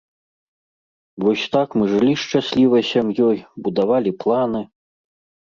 Вось так мы жылі шчаслівай сям'ёй, будавалі планы.